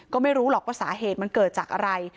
ก็ไม่รู้หรอกว่าสาเหตุมันเกิดจากอะไร